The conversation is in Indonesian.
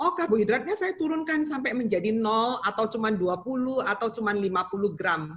oh karbohidratnya saya turunkan sampai menjadi atau cuma dua puluh atau cuma lima puluh gram